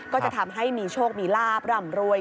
ก็จะทำให้มีโชคมีลาบร่ำรวย